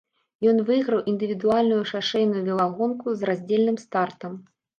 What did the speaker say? Ён выйграў індывідуальную шашэйную велагонку з раздзельным стартам.